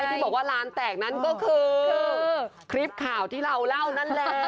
ที่บอกว่าร้านแตกนั้นก็คือคลิปข่าวที่เราเล่านั่นแหละ